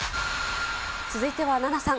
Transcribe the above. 続いてはナナさん。